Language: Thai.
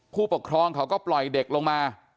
ผู้ปกครองเขาก็ปล่อยเด็กลงมา